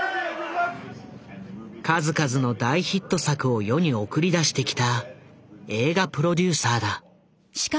数々の大ヒット作を世に送り出してきた映画プロデューサーだ。